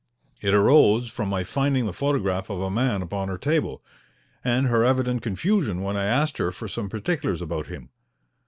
It arose from my finding the photograph of a man upon her table, and her evident confusion when I asked her for some particulars about him.